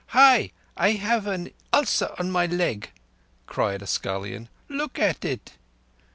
"Hi! I have an ulcer on my leg," cried a scullion. "Look at it!"